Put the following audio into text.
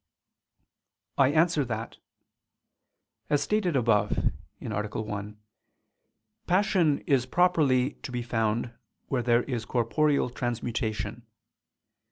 I answer that, As stated above (A. 1) passion is properly to be found where there is corporeal transmutation.